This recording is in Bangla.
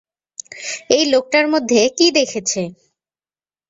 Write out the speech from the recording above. এই লোকটির মধ্যে কী দেখেছে?